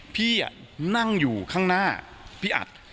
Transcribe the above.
พี่นั่งอยู่ข้างหน้าพี่อัด